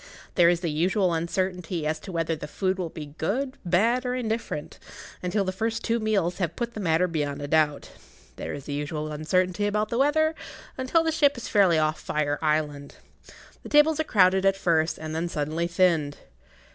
There is the usual uncertainty as to whether the food will be good, bad, or indifferent, until the first two meals have put the matter beyond[Pg 17] a doubt; there is the usual uncertainty about the weather, until the ship is fairly off Fire Island. The tables are crowded at first, and then suddenly thinned.